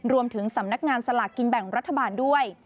รวมถึงสำนักงานสลากกินแบ่งรัฐบาลด้วย